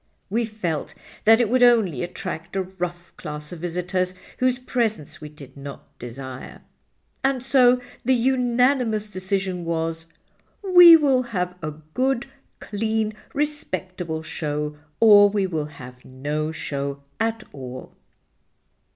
We felt that it would only attract a rough class of visitors, whose presence we did not desire. And so the unanimous decision was, 'We will have a good, clean, respectable show or we will have no show at all.